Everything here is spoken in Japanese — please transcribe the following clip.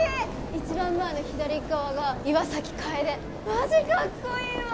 一番前の左側が岩崎楓・マジカッコイイわ・